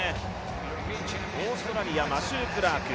オーストラリア、マシュー・クラーク。